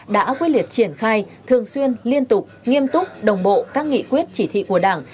đã quyết liệt triển khai thường xuyên liên tục nghiêm túc đồng bộ các nghị quyết chỉ thị của đảng